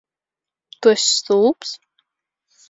Tu esi stulbs?